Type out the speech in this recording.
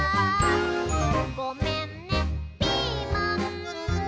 「ごめんねピーマン」